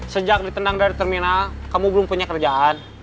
sejak ditendang dari terminal kamu belum punya kerjaan